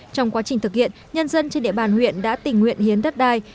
trong quá trình thực hiện nhân dân trên địa bàn huyện đã tình nguyện hiến đất đai